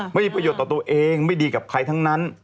ไม่มีประโยชน์ต่อตัวเองไม่ดีกับใครทั้งนั้น